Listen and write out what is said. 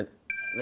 「何？